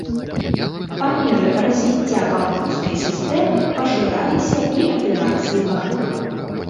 Па меры развіцця банкаўскай сістэмы пашыраліся і аперацыі банкаў.